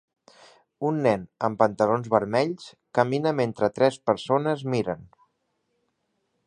Un nen amb pantalons vermells camina mentre tres persones miren.